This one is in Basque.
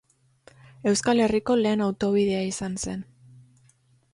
Euskal Herriko lehen autobidea izan zen.